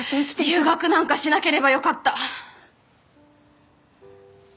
留学なんかしなければよかった！